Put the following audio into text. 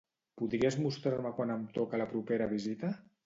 Podries mostrar-me quan em toca la propera visita?